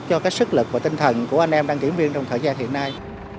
cho cái sức lực và tinh thần của anh em đăng kiểm viên trong thời gian hiện nay